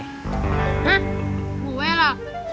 hah gue lah